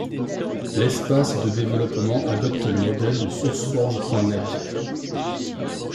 L'espace de développement adopte le modèle de SourceForge.net.